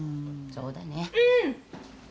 そうだね。